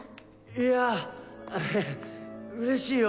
「いやうれしいよ。